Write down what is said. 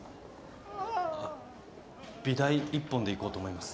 あっ美大一本でいこうと思います。